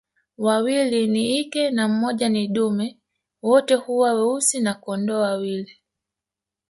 Wawili ni ike na mmoja ni dume na wote huwa weusi na kondoo wawili